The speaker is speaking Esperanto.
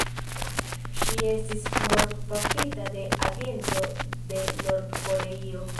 Ŝi estis mortpafita de agento de Nord-Koreio.